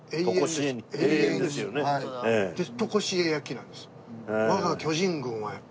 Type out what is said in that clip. とこしえ焼きなんですよ。